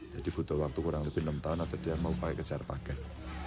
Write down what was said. jadi butuh waktu kurang lebih enam tahun atau dia mau pakai kejar pagen